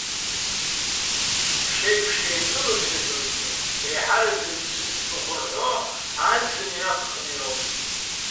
Шеишықәса ианрылацәажәогьы, еиҳараӡак зыӡбахә рҳәо аӡыни аԥхыни роуп.